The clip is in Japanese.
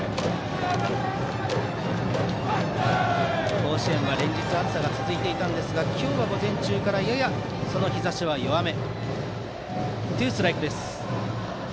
甲子園は連日暑さが続いていましたが今日は午前中からやや日ざしは弱め。